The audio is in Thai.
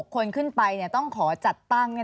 คนขึ้นไปต้องขอจัดตั้ง